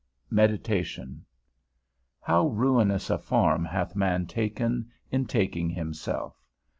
_ XXII. MEDITATION. How ruinous a farm hath man taken, in taking himself!